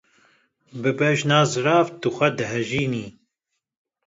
Bi bejna zirav tu xwe dihejînî.